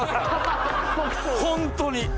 本当に。